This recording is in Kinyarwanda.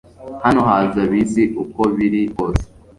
Hano haza bisi uko biri kose